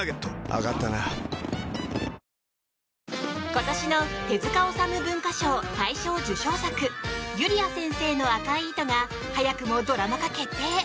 今年の手塚治虫文化賞大賞受賞作「ゆりあ先生の赤い糸」が早くもドラマ化決定！